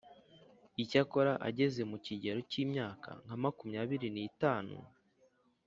icyakora ageze mu kigero cy’imyaka nka makumyabiri nitanu